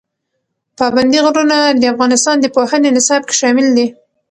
پابندی غرونه د افغانستان د پوهنې نصاب کې شامل دي.